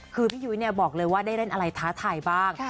คือพี่ยุ้ยบอกเลยว่าได้เล่นอะไรท้าทายบ้าง